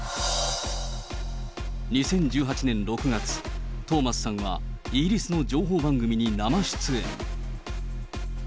２０１８年６月、トーマスさんはイギリスの情報番組に生出演。